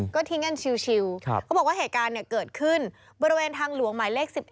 ก็ทิ้งกันชิลเขาบอกว่าเหตุการณ์เกิดขึ้นบริเวณทางหลวงหมายเลข๑๑